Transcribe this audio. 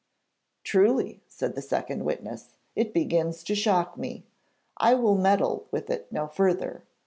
'Truly,' said the second witness; 'it begins to shock me. I will meddle with it no further.'